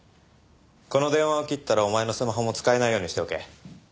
この電話を切ったらお前のスマホも使えないようにしておけ。